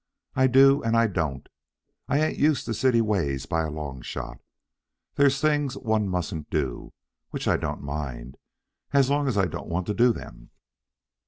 "I do, and I don't. I ain't used to city ways by a long shot. There's things one mustn't do, which I don't mind as long as I don't want to do them."